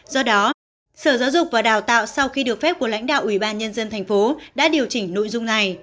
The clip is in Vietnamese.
do đó sở giáo dục và đào tạo sau khi được phép của lãnh đạo ubnd tp đã điều chỉnh nội dung này